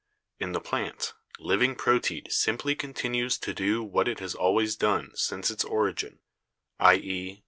"In the plant, living proteid simply continues to do what it has always done since its origin — i.e.